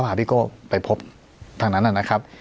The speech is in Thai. แล้พี่โกก็ประพาน้านนั่นครับ